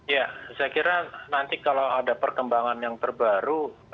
ya saya kira nanti kalau ada perkembangan yang terbaru